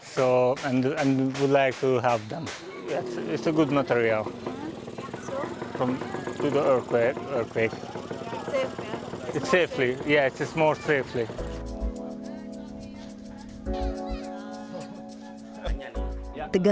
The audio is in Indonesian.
selamat pulang empat